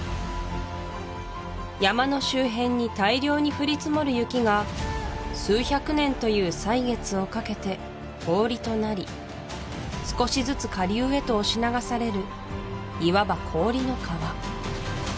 山の周辺に大量に降り積もる雪が数百年という歳月をかけて氷となり少しずつ下流へと押し流されるいわば氷の河